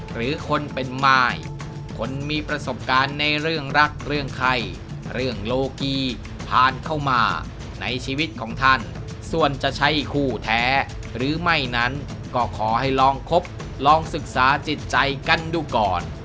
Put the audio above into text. หรือคนเป็นม่ายคนมีประสบการณ์ในเรื่องรักเรื่องไข้เรื่องโลกีผ่านเข้ามาในชีวิตของท่านส่วนจะใช่คู่แท้หรือไม่นั้นก็ขอให้ลองคบลองศึกษาจิตใจกันดูก่อน